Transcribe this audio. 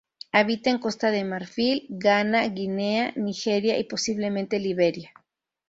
Habita en Costa de Marfil, Ghana, Guinea, Nigeria y posiblemente Liberia.